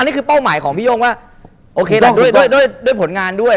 อันนี้เป้าหมายของพี่โยงว่าโอเคลาด้วยผลงานด้วย